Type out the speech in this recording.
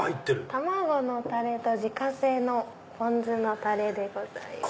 卵のタレと自家製のポン酢のタレです。